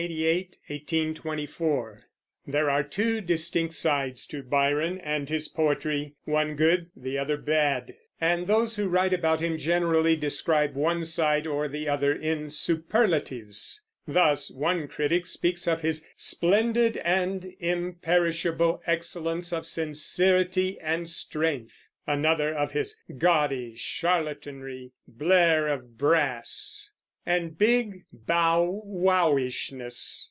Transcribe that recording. GEORGE GORDON, LORD BYRON (1788 1824) There are two distinct sides to Byron and his poetry, one good, the other bad; and those who write about him generally describe one side or the other in superlatives. Thus one critic speaks of his "splendid and imperishable excellence of sincerity and strength"; another of his "gaudy charlatanry, blare of brass, and big bow wowishness."